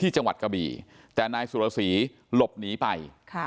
จังหวัดกะบี่แต่นายสุรสีหลบหนีไป